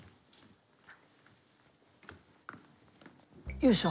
よいしょ。